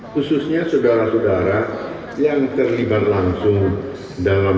khususnya sedara sedara yang terlibat langsung dalam